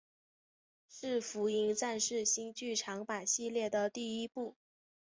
是福音战士新剧场版系列的第一部。